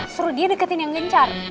seru dia deketin yang gencar